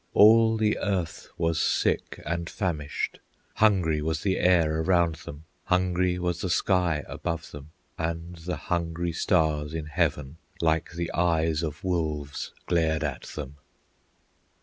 All the earth was sick and famished; Hungry was the air around them, Hungry was the sky above them, And the hungry stars in heaven Like the eyes of wolves glared at them!